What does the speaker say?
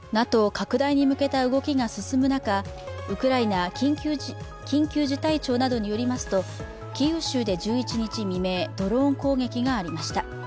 拡大に向けた動きが進む中、ウクライナ緊急事態庁などによりますとキーウ州で１１日未明ドローン攻撃がありました。